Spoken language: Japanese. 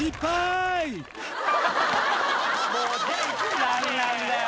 よし何なんだよ